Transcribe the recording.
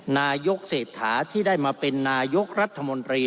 นายกเศรษฐาที่ได้มาเป็นนายกรัฐมนตรี